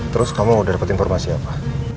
terus kamu udah dapet informasi apa